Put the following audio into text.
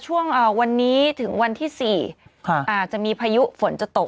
วันนี้ถึงวันที่สี่ค่ะอ่าจะมีพายุฝนจะตก